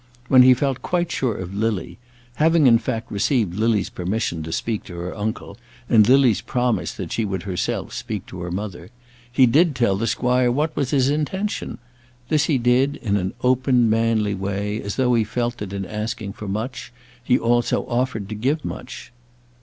When he felt quite sure of Lily, having, in fact, received Lily's permission to speak to her uncle, and Lily's promise that she would herself speak to her mother, he did tell the squire what was his intention. This he did in an open, manly way, as though he felt that in asking for much he also offered to give much.